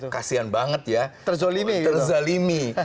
kasian banget ya terzalimi